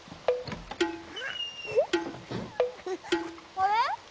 あれ？